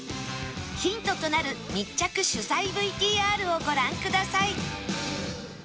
ヒントとなる密着取材 ＶＴＲ をご覧ください